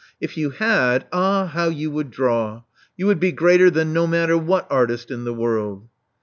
If you had, ah, how you would draw! You would be greater than no matter what artist in the world.